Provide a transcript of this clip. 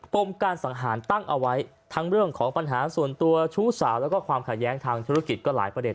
มการสังหารตั้งเอาไว้ทั้งเรื่องของปัญหาส่วนตัวชู้สาวแล้วก็ความขัดแย้งทางธุรกิจก็หลายประเด็